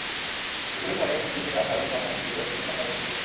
দুপুরের পরে মতিঝিল থেকে আসা যানবাহনগুলো দৈনিক বাংলা মোড়ে থমকে যায়।